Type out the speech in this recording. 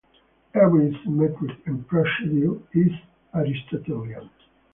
Every symmetric procedure is aristotelian.